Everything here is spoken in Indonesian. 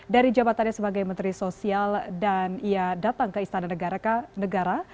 dari jabatannya sebagai menteri sosial dan ia datang ke istana negara